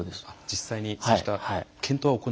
実際にそうした検討は行われている。